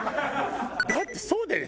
だってそうだよね。